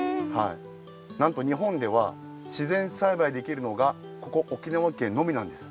なんとにほんではしぜんさいばいできるのがここ沖縄県のみなんです。